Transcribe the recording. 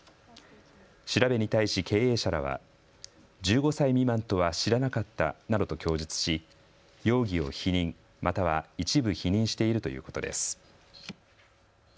調べに対し経営者らは、１５歳未満とは知らなかったなどと供述し容疑を否認、または一部否認しているということです。